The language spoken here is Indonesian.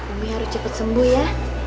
umi harus cepet sembuh ya